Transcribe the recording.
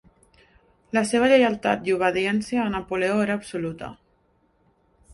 La seva lleialtat i obediència a Napoleó era absoluta.